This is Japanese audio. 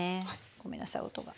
ごめんなさい音が。